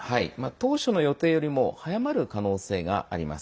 当初の予定より早まる可能性があります。